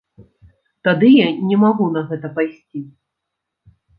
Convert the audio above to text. Тады я не магу на гэта пайсці.